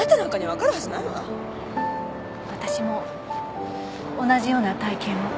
私も同じような体験を。